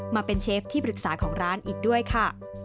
มาเป็นเชฟที่ปรึกษาของร้านอีกด้วยค่ะ